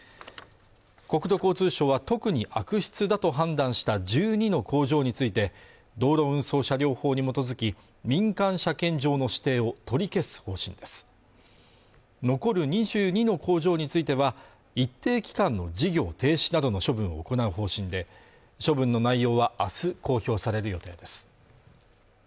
国土交通省は特に悪質だと判断した１２の工場について道路運送車両法に基づき民間車検場の指定を取り消す方針です残る２２の工場については一定期間の事業停止などの処分を行う方針で処分の内容は明日公表される予定です